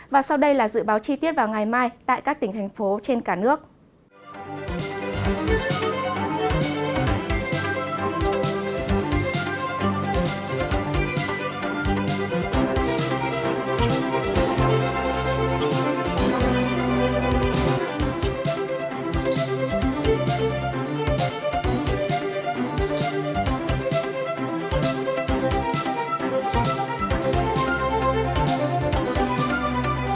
và sau đây là dự báo chi tiết vào ngày mai tại các tỉnh thành phố trên cả nước